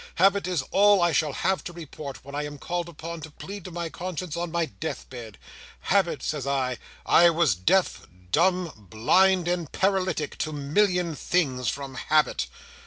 Habit is all I shall have to report, when I am called upon to plead to my conscience, on my death bed. 'Habit,' says I; 'I was deaf, dumb, blind, and paralytic, to a million things, from habit.